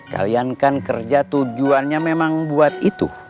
kalian kan kerja tujuannya memang buat itu